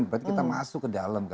berarti kita masuk ke dalam kan